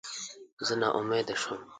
زه ناامیده شوم.